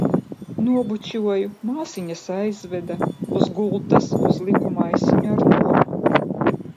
Nobučoju, māsiņas aizveda, uz gultas uzliku maisiņu ar to.